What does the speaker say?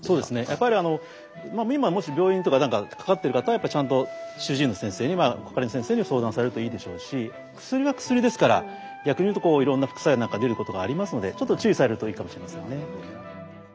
やっぱり今もし病院とか何かかかってる方はちゃんと主治医の先生にかかりの先生に相談されるといいでしょうし薬は薬ですから逆にいうといろんな副作用なんか出ることがありますのでちょっと注意されるといいかもしれませんね。